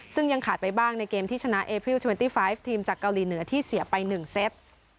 ซึ่งยังขาดไปบ้างในเกมที่ชนะเอพิวเทเวนตี้ไฟฟ์ทีมจากเกาหลีเหนือที่เสียไป๑เซต